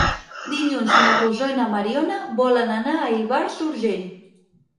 Dilluns na Rosó i na Mariona volen anar a Ivars d'Urgell.